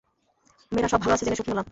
মেয়েরা সব ভাল আছে জেনে সুখী হলাম।